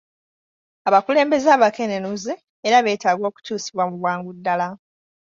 Abakulembeze bakenenuzi era beetaaga okukyusibwa mu bwangu ddala.